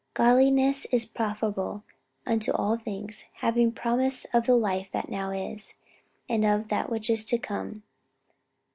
'Godliness is profitable unto all things, having promise of the life that now is, and of that which is to come.'